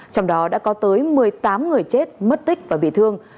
trong đó đã có tới một mươi tám người chết mất tích và bị thương